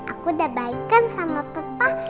aku udah baikkan sama papa